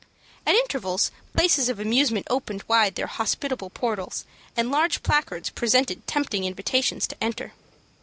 At intervals places of amusement opened wide their hospitable portals, and large placards presented tempting invitations to enter.